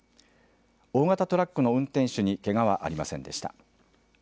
大型トラックの運転手にけがはありませんでした。